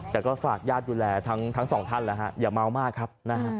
แต่ก็ฝากญาติอยู่แลทั้งสองท่านอย่าเม้ามากครับ